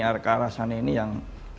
arka rasanya ini yang